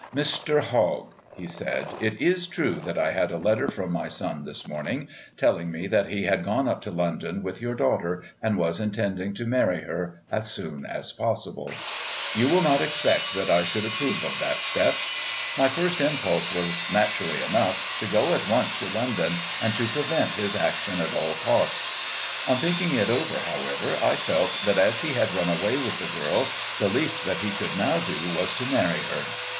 "Mr. Hogg," he said, "it is true that I had a letter from my son this morning telling me that he had gone up to London with your daughter and was intending to marry her as soon as possible. You will not expect that I should approve of that step. My first impulse was, naturally enough, to go at once to London and to prevent his action at all costs. On thinking it over, however, I felt that as he had run away with the girl the least that he could now do was to marry her.